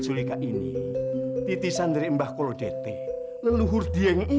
jangan kamu bau kamu jarang mandi